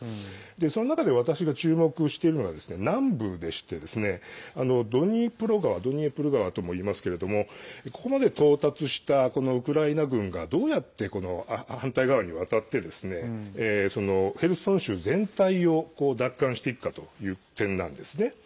その中で私が注目しているのが南部でしてドニプロ川、ドニエプル川とも言いますけれどもここまで到達したウクライナ軍がどうやって反対側に渡ってヘルソン州全体を奪還していくかという点なんですね。